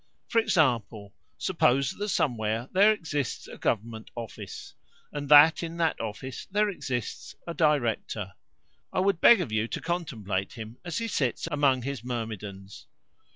For example, suppose that somewhere there exists a government office, and that in that office there exists a director. I would beg of you to contemplate him as he sits among his myrmidons.